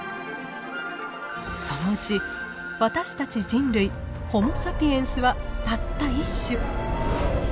そのうち私たち人類ホモ・サピエンスはたった１種。